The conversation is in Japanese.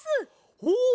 ほう！